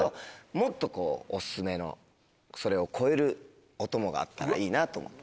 もっとこうお薦めのそれを超えるお供があったらいいなと思って。